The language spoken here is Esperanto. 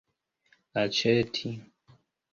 aĉeti